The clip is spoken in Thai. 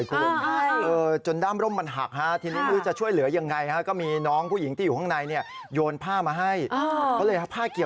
คือน้ำกับไฟฟ้าเป็นอะไรที่เป็นเส้นคู่ขนานกันมากเลย